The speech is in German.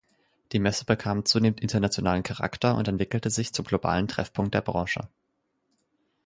Die Messe bekam zunehmend internationalen Charakter und entwickelte sich zum globalen Treffpunkt der Branche.